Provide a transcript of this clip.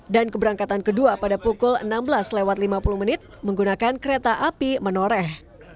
dan keberangkatan kedua pada pukul enam belas lewat lima puluh menit menggunakan kereta api menoreh